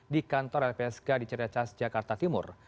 di kantor lpsk di cederacas jakarta timur